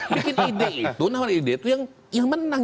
bikin ide itu nama ide itu yang menang